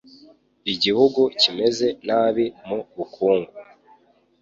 Igihugu kimeze nabi mubukungu.